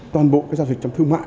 toàn bộ cái giao dịch trong thương mại